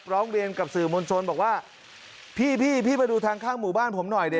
ร้องเรียนกับสื่อมวลชนบอกว่าพี่พี่มาดูทางข้างหมู่บ้านผมหน่อยดิ